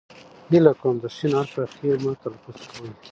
هیله کوم د ښ حرف په خ مه تلفظ کوئ.!